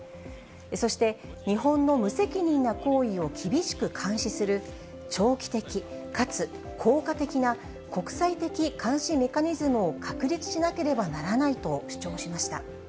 そして、日本の無責任な行為を厳しく監視する、長期的かつ効果的な国際的監視メカニズムを確立しなければならないと主張しました。